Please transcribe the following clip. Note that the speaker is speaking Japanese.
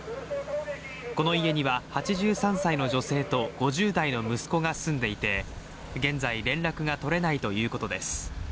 この家には８３歳の女性と５０代の息子が住んでいて、現在、連絡が取れないということです。